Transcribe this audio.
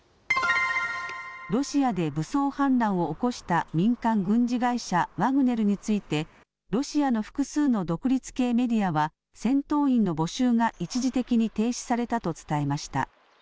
ロシアで武装反乱を起こした民間軍事会社、ワグネルについて、ロシアの複数の独立系メディアは、戦闘員の募集が一時的に停止されたと伝えました。